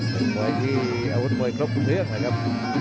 เป็นมวยที่มวยอาวุธครบถือเรื่องหรือครับ